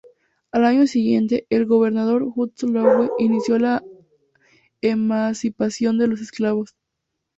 Al año siguiente, el gobernador Hudson Lowe inició la emancipación de los esclavos.